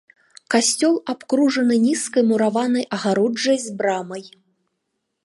Касцёл абкружаны нізкай мураванай агароджай з брамай.